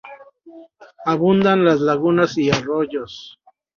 Abundan las lagunas y arroyos.